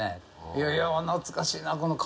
いやいや懐かしいなこの顔。